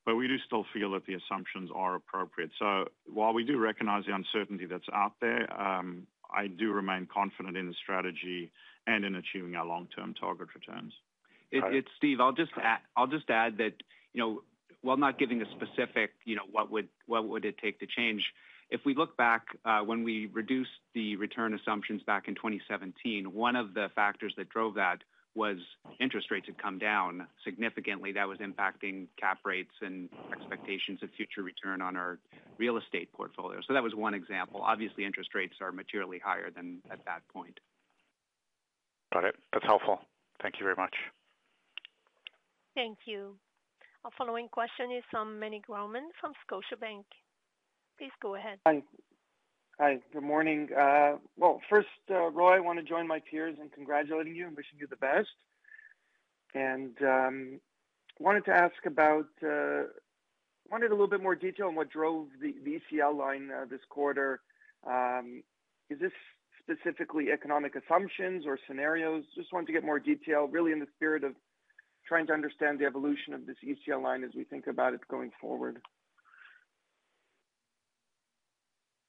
S14: But we do still feel that the assumptions are appropriate. So while we do recognize the uncertainty that's out there, I do remain confident in the strategy and in achieving our long-term target returns.
S12: It's Steve. I'll just add that while not giving a specific what would it take to change, if we look back when we reduced the return assumptions back in 2017, one of the factors that drove that was interest rates had come down significantly. That was impacting cap rates and expectations of future return on our real estate portfolio. So that was one example. Obviously, interest rates are materially higher than at that point.
S13: Got it. That's helpful. Thank you very much.
S1: Thank you. Our following question is from Meny Grauman from Scotiabank. Please go ahead.
S15: Hi. Good morning. First, Roy, I want to join my peers in congratulating you and wishing you the best. I wanted a little bit more detail on what drove the ECL line this quarter. Is this specifically economic assumptions or scenarios? Just wanted to get more detail, really in the spirit of trying to understand the evolution of this ECL line as we think about it going forward.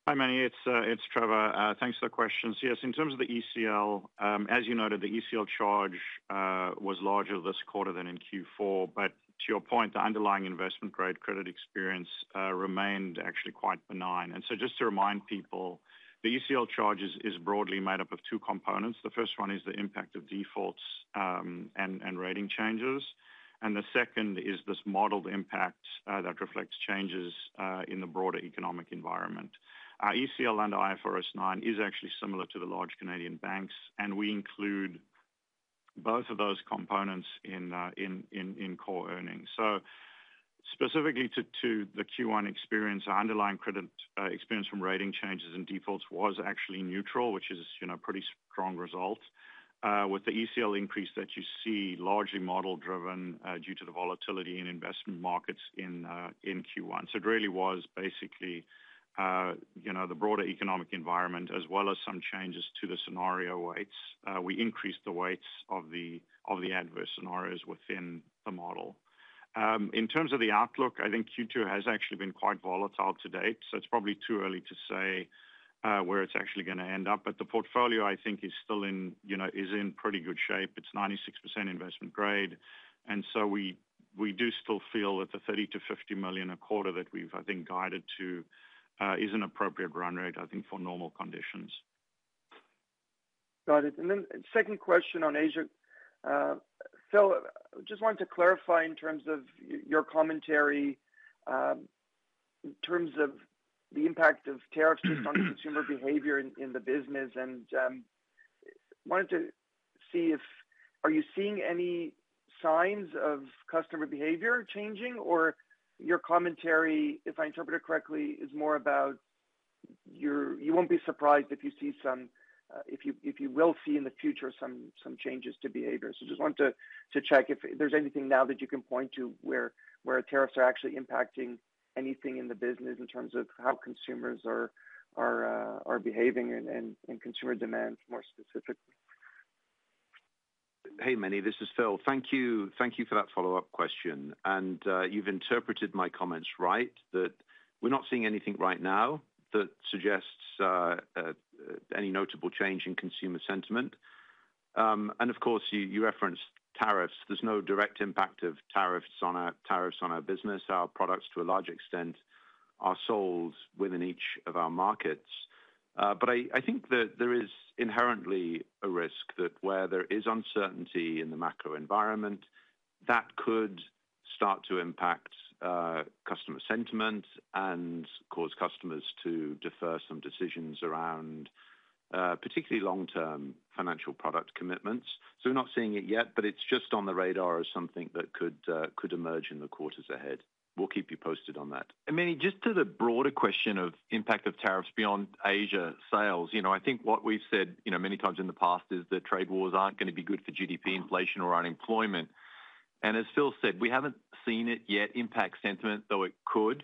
S14: Hi, Meny. It's Trevor. Thanks for the question. So yes, in terms of the ECL, as you noted, the ECL charge was larger this quarter than in Q4. But to your point, the underlying investment-grade credit experience remained actually quite benign. And so just to remind people, the ECL charge is broadly made up of two components. The first one is the impact of defaults and rating changes. And the second is this modeled impact that reflects changes in the broader economic environment. Our ECL under IFRS 9 is actually similar to the large Canadian banks. And we include both of those components in core earnings. So specifically to the Q1 experience, our underlying credit experience from rating changes and defaults was actually neutral, which is a pretty strong result with the ECL increase that you see largely model-driven due to the volatility in investment markets in Q1. So it really was basically the broader economic environment as well as some changes to the scenario weights. We increased the weights of the adverse scenarios within the model. In terms of the outlook, I think Q2 has actually been quite volatile to date. So it's probably too early to say where it's actually going to end up. But the portfolio, I think, is still in pretty good shape. It's 96% investment grade. And so we do still feel that the 30 million-50 million a quarter that we've, I think, guided to is an appropriate run rate, I think, for normal conditions.
S15: Got it, and then second question on Asia. Phil, just wanted to clarify in terms of your commentary, in terms of the impact of tariffs just on consumer behavior in the business, and wanted to see if are you seeing any signs of customer behavior changing, or your commentary, if I interpret it correctly, is more about you won't be surprised if you see some, if you will see in the future some changes to behavior, so just wanted to check if there's anything now that you can point to where tariffs are actually impacting anything in the business in terms of how consumers are behaving and consumer demand more specifically.
S6: Hey, Meny. This is Phil. Thank you for that follow-up question, and you've interpreted my comments right, that we're not seeing anything right now that suggests any notable change in consumer sentiment, and of course, you referenced tariffs. There's no direct impact of tariffs on our business. Our products, to a large extent, are sold within each of our markets, but I think there is inherently a risk that where there is uncertainty in the macro environment, that could start to impact customer sentiment and cause customers to defer some decisions around particularly long-term financial product commitments, so we're not seeing it yet, but it's just on the radar as something that could emerge in the quarters ahead. We'll keep you posted on that. Meny, just to the broader question of impact of tariffs beyond Asia sales, I think what we've said many times in the past is that trade wars aren't going to be good for GDP, inflation, or unemployment. And as Phil said, we haven't seen it yet impact sentiment, though it could.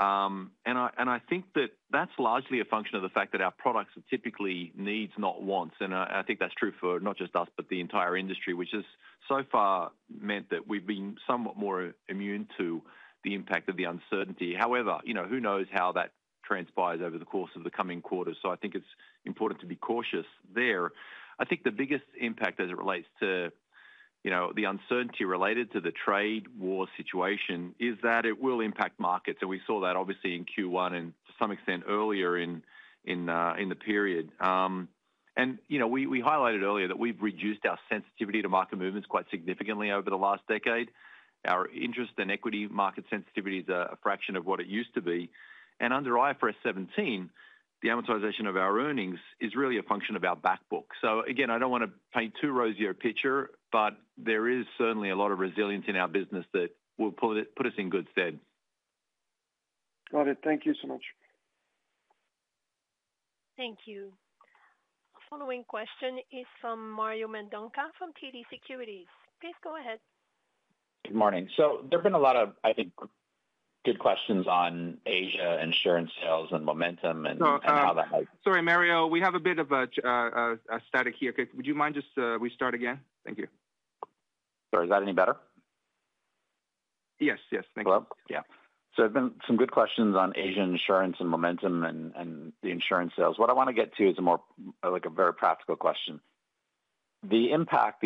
S6: And I think that that's largely a function of the fact that our products are typically needs, not wants. And I think that's true for not just us, but the entire industry, which has so far meant that we've been somewhat more immune to the impact of the uncertainty. However, who knows how that transpires over the course of the coming quarters. So I think it's important to be cautious there. I think the biggest impact as it relates to the uncertainty related to the trade war situation is that it will impact markets. We saw that obviously in Q1 and to some extent earlier in the period. We highlighted earlier that we've reduced our sensitivity to market movements quite significantly over the last decade. Our interest and equity market sensitivity is a fraction of what it used to be. Under IFRS 17, the amortization of our earnings is really a function of our back book. Again, I don't want to paint too rosy a picture, but there is certainly a lot of resilience in our business that will put us in good stead.
S15: Got it. Thank you so much.
S1: Thank you. Our following question is from Mario Mendonca from TD Securities. Please go ahead.
S16: Good morning. So there have been a lot of, I think, good questions on Asia insurance sales and momentum and how that has.
S2: Sorry, Mario. We have a bit of a static here. Would you mind just, we start again? Thank you.
S16: Sorry. Is that any better?
S2: Yes. Yes. Thank you.
S16: Hello? Yeah. So there have been some good questions on Asian insurance and momentum and the insurance sales. What I want to get to is a very practical question. The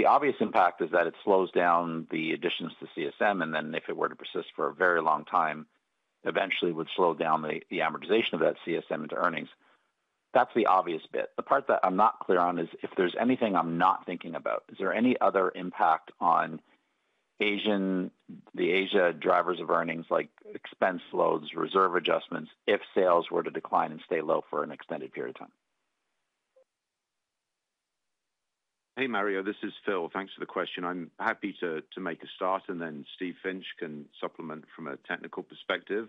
S16: obvious impact is that it slows down the additions to CSM, and then if it were to persist for a very long time, eventually would slow down the amortization of that CSM into earnings. That's the obvious bit. The part that I'm not clear on is if there's anything I'm not thinking about. Is there any other impact on the Asia drivers of earnings, like expense loads, reserve adjustments, if sales were to decline and stay low for an extended period of time?
S6: Hey, Mario. This is Phil. Thanks for the question. I'm happy to make a start, and then Steve Finch can supplement from a technical perspective.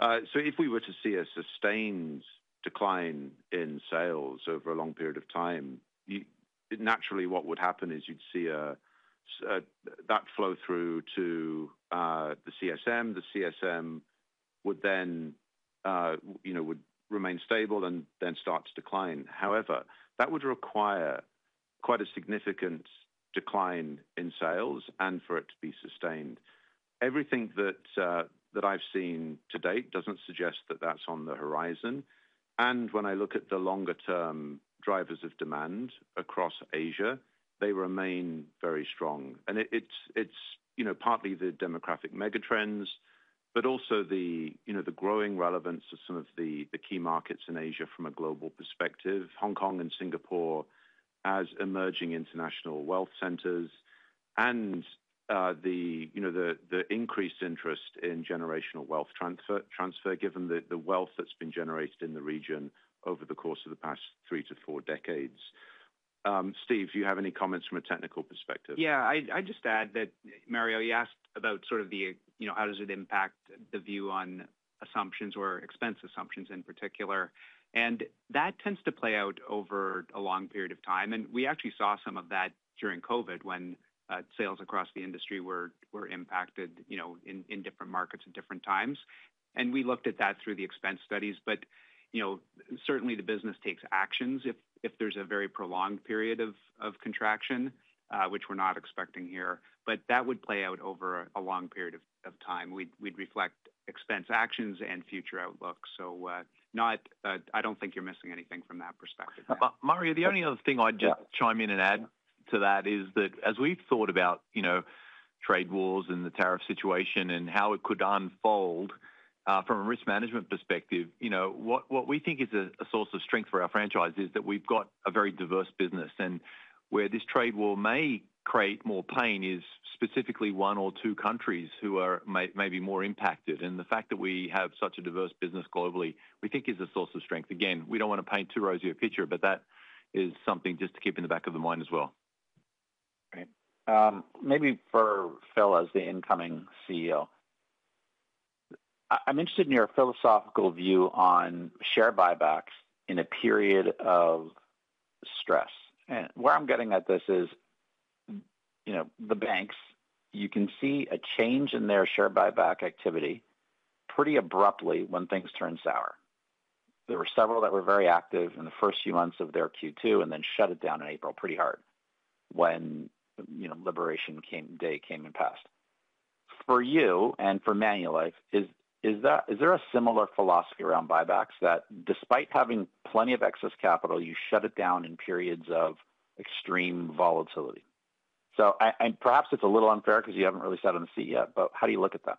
S6: So if we were to see a sustained decline in sales over a long period of time, naturally what would happen is you'd see that flow through to the CSM. The CSM would then remain stable and then start to decline. However, that would require quite a significant decline in sales and for it to be sustained. Everything that I've seen to date doesn't suggest that that's on the horizon. And when I look at the longer-term drivers of demand across Asia, they remain very strong. It's partly the demographic megatrends, but also the growing relevance of some of the key markets in Asia from a global perspective, Hong Kong and Singapore as emerging international wealth centers, and the increased interest in generational wealth transfer, given the wealth that's been generated in the region over the course of the past three to four decades. Steve, do you have any comments from a technical perspective?
S12: Yeah. I'd just add that, Mario, you asked about sort of how does it impact the view on assumptions or expense assumptions in particular. And that tends to play out over a long period of time. And we actually saw some of that during COVID when sales across the industry were impacted in different markets at different times. And we looked at that through the expense studies. But certainly, the business takes actions if there's a very prolonged period of contraction, which we're not expecting here. But that would play out over a long period of time. We'd reflect expense actions and future outlooks. So I don't think you're missing anything from that perspective.
S6: Mario, the only other thing I'd just chime in and add to that is that as we've thought about trade wars and the tariff situation and how it could unfold from a risk management perspective, what we think is a source of strength for our franchise is that we've got a very diverse business. And where this trade war may create more pain is specifically one or two countries who are maybe more impacted. And the fact that we have such a diverse business globally, we think, is a source of strength. Again, we don't want to paint too rosy a picture, but that is something just to keep in the back of the mind as well.
S16: Great. Maybe for Phil as the incoming CEO, I'm interested in your philosophical view on share buybacks in a period of stress. And where I'm getting at this is the banks, you can see a change in their share buyback activity pretty abruptly when things turn sour. There were several that were very active in the first few months of their Q2 and then shut it down in April pretty hard when liberation day came and passed. For you and for Manulife, is there a similar philosophy around buybacks that despite having plenty of excess capital, you shut it down in periods of extreme volatility? So perhaps it's a little unfair because you haven't really sat on the seat yet, but how do you look at that?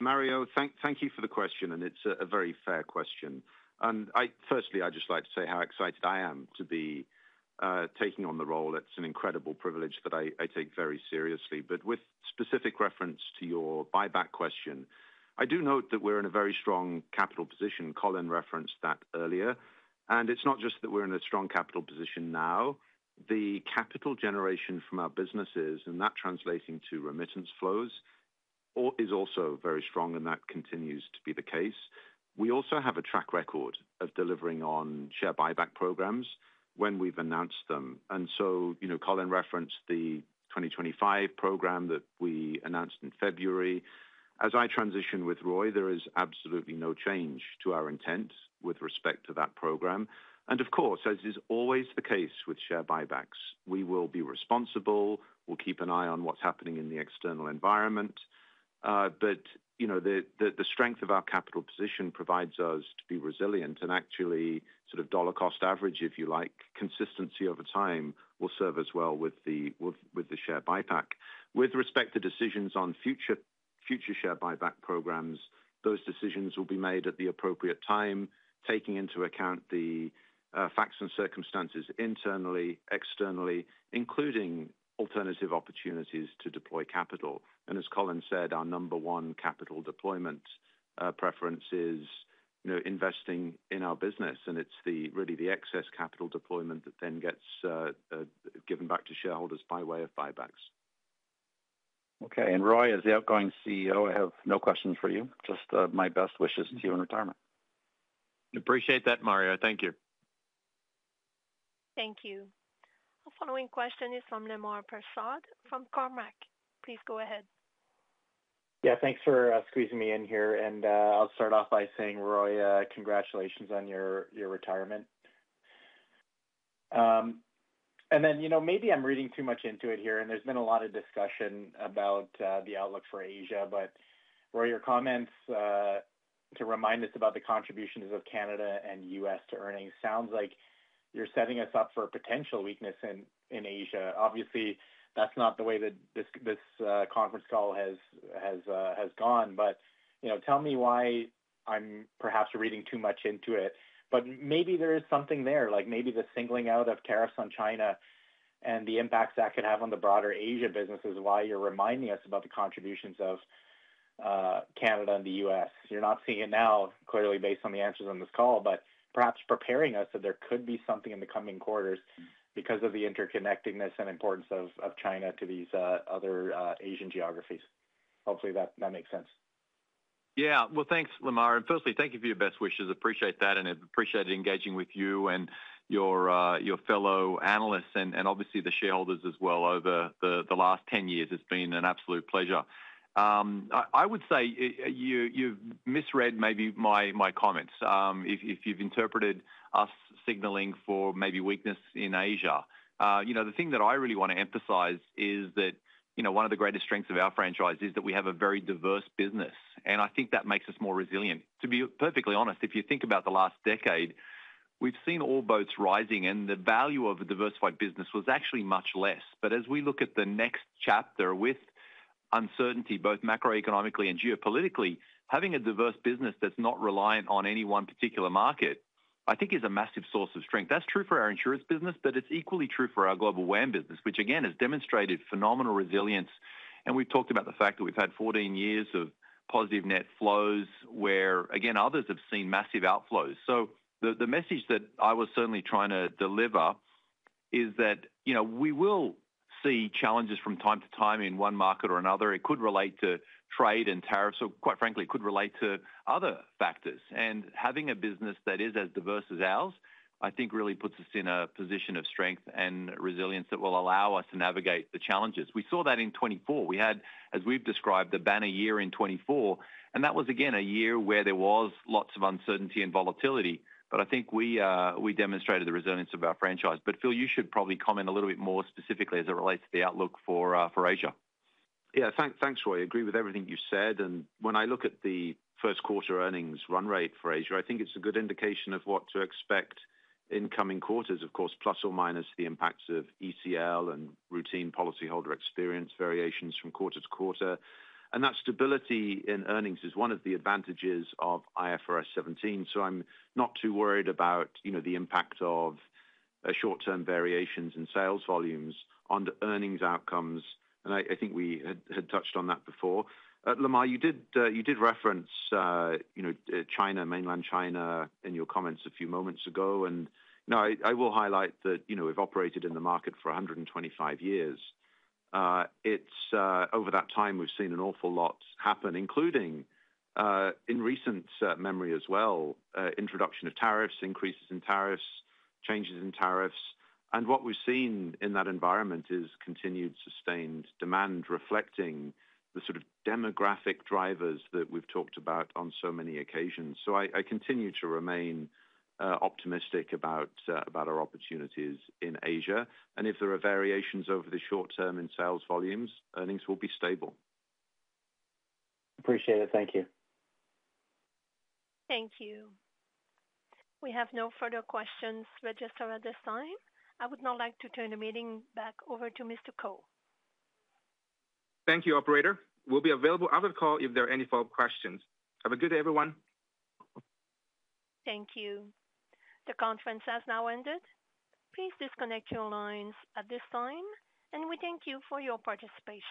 S6: Mario, thank you for the question. And it's a very fair question. And firstly, I'd just like to say how excited I am to be taking on the role. It's an incredible privilege that I take very seriously. But with specific reference to your buyback question, I do note that we're in a very strong capital position. Colin referenced that earlier. And it's not just that we're in a strong capital position now. The capital generation from our businesses, and that translating to remittance flows, is also very strong, and that continues to be the case. We also have a track record of delivering on share buyback programs when we've announced them. And so Colin referenced the 2025 program that we announced in February. As I transition with Roy, there is absolutely no change to our intent with respect to that program. Of course, as is always the case with share buybacks, we will be responsible. We'll keep an eye on what's happening in the external environment. The strength of our capital position provides us to be resilient. Actually, sort of dollar-cost average, if you like, consistency over time will serve us well with the share buyback. With respect to decisions on future share buyback programs, those decisions will be made at the appropriate time, taking into account the facts and circumstances internally, externally, including alternative opportunities to deploy capital. As Colin said, our number one capital deployment preference is investing in our business. It's really the excess capital deployment that then gets given back to shareholders by way of buybacks.
S16: Okay. And Roy, as the outgoing CEO, I have no questions for you. Just my best wishes to you in retirement.
S3: Appreciate that, Mario. Thank you.
S1: Thank you. Our following question is from Lemar Persaud from Cormark. Please go ahead.
S17: Yeah. Thanks for squeezing me in here. And I'll start off by saying, Roy, congratulations on your retirement. And then maybe I'm reading too much into it here, and there's been a lot of discussion about the outlook for Asia. But, Roy, your comments to remind us about the contributions of Canada and U.S. to earnings sounds like you're setting us up for a potential weakness in Asia. Obviously, that's not the way that this conference call has gone. But tell me why I'm perhaps reading too much into it. But maybe there is something there, like maybe the singling out of tariffs on China and the impacts that could have on the broader Asia business is why you're reminding us about the contributions of Canada and the U.S. You're not seeing it now, clearly, based on the answers on this call, but perhaps preparing us that there could be something in the coming quarters because of the interconnectedness and importance of China to these other Asian geographies. Hopefully, that makes sense.
S3: Yeah. Well, thanks, Lemar. And firstly, thank you for your best wishes. Appreciate that. And I've appreciated engaging with you and your fellow analysts and obviously the shareholders as well over the last 10 years. It's been an absolute pleasure. I would say you've misread maybe my comments if you've interpreted us signaling for maybe weakness in Asia. The thing that I really want to emphasize is that one of the greatest strengths of our franchise is that we have a very diverse business. And I think that makes us more resilient. To be perfectly honest, if you think about the last decade, we've seen all boats rising, and the value of a diversified business was actually much less. But as we look at the next chapter with uncertainty, both macroeconomically and geopolitically, having a diverse business that's not reliant on any one particular market, I think, is a massive source of strength. That's true for our insurance business, but it's equally true for our global WAM business, which, again, has demonstrated phenomenal resilience. And we've talked about the fact that we've had 14 years of positive net flows where, again, others have seen massive outflows. So the message that I was certainly trying to deliver is that we will see challenges from time to time in one market or another. It could relate to trade and tariffs, or quite frankly, it could relate to other factors. And having a business that is as diverse as ours, I think, really puts us in a position of strength and resilience that will allow us to navigate the challenges. We saw that in 2024. We had, as we've described, the banner year in 2024. And that was, again, a year where there was lots of uncertainty and volatility. But I think we demonstrated the resilience of our franchise. But Phil, you should probably comment a little bit more specifically as it relates to the outlook for Asia.
S6: Yeah. Thanks, Roy. I agree with everything you said. And when I look at the first quarter earnings run rate for Asia, I think it's a good indication of what to expect in coming quarters, of course, plus or minus the impacts of ECL and routine policyholder experience variations from quarter to quarter. And that stability in earnings is one of the advantages of IFRS 17. So I'm not too worried about the impact of short-term variations in sales volumes on the earnings outcomes. And I think we had touched on that before. Lemar, you did reference China, Mainland China, in your comments a few moments ago. And I will highlight that we've operated in the market for 125 years. Over that time, we've seen an awful lot happen, including in recent memory as well, introduction of tariffs, increases in tariffs, changes in tariffs. And what we've seen in that environment is continued sustained demand reflecting the sort of demographic drivers that we've talked about on so many occasions. So I continue to remain optimistic about our opportunities in Asia. And if there are variations over the short term in sales volumes, earnings will be stable.
S17: Appreciate it. Thank you.
S1: Thank you. We have no further questions registered at this time. I would now like to turn the meeting back over to Mr. Ko.
S2: Thank you, Operator. We'll be available out of call if there are any follow-up questions. Have a good day, everyone.
S1: Thank you. The conference has now ended. Please disconnect your lines at this time, and we thank you for your participation.